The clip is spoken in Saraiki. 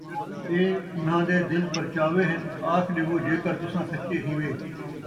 اِیہ اُنہاں دے دِل پَرچاوے ہِن، آکھ ݙیو، جیکر تُساں سَچے ہِیوے،